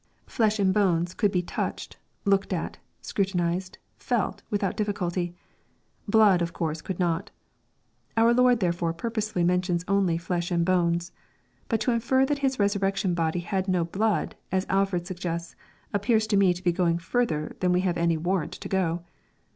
Flesh and bones could be touched, looked at, scrutinized, felt, without diflBiculty. Blood of course could not Our Lord therefore purposely mentions only " flesh and bones." But to infer that His resurrection body had no blood, as Alford suggests, appears to me to be going further tlian we have any warrant to go.